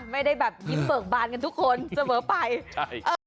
ไม่ได้แบบยิ้มเบิกบานกันทุกคนเสมอไปใช่เออ